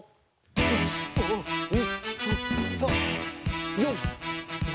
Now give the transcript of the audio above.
１２３４５。